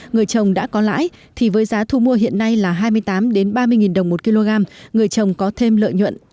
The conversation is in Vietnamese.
người chồng đã có lãi thì với giá thu mua hiện nay là hai mươi tám ba mươi đồng một kg người chồng có thêm lợi nhuận